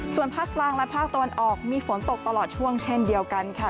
ส่วนภาคกลางและภาคตะวันออกมีฝนตกตลอดช่วงเช่นเดียวกันค่ะ